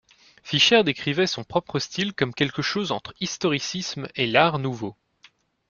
Fischer décrivait son propre style comme quelque chose entre historicisme et l’Art nouveau.